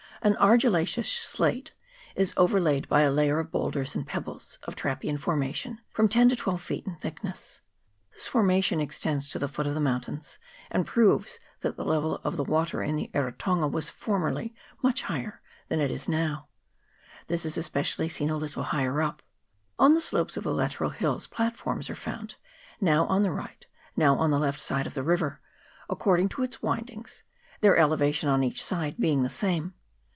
An argillaceous slate is overlaid by a layer of boulders and pebbles, of trappean formation, from ten to twelve feet in thickness. This forma tion extends to the foot of the mountains, and proves that the level of the water in the Eritonga was formerly much higher than it now is. This is especially seen a little higher up. On the slopes of the lateral hills platforms are found, now on the right, now on the left side of the river, according to its windings, their elevation on each side being the same.